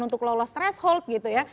untuk lolos threshold gitu ya